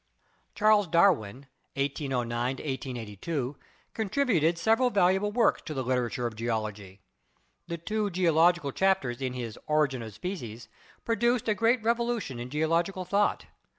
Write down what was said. Charles Darwin (1809 1882) contributed several valu able works to the literature of Geology. The two geo logical chapters in his "Origin of Species" produced a great revolution in geological thought.